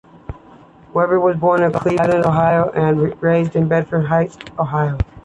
Weber was born in Cleveland, Ohio and raised in Bedford Heights, Ohio.